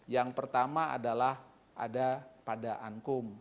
yang pertama adalah ada pada ankum